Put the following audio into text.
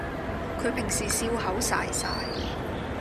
佢平時笑口噬噬